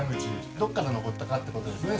どこから登ったかって事ですね